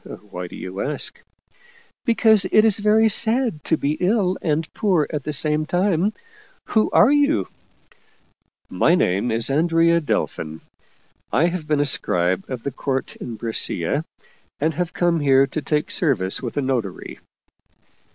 Why do you ask?" " Because it is very sad to be ill and poor at the same time. Who are you ?"" My name is Andrea Delfin. I have been a scribe of the court in Brescia, and have come here to take service with a notary."